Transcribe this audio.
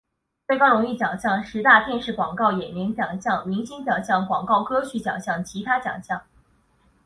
最高荣誉奖项十大电视广告演员奖项明星奖项广告歌曲奖项其他奖项